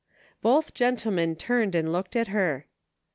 Both gentlemen turned and looked at her.